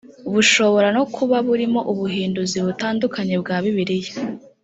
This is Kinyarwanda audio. bushobora no kuba burimo ubuhinduzi butandukanye bwa bibiliya